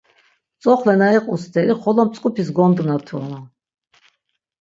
Tzoxle na iqu steri xolo mtzk̆upis gondunatunon.